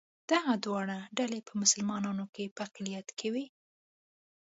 دغه دواړه ډلې په مسلمانانو کې په اقلیت کې وې.